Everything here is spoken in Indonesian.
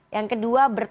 yang kedua bertanya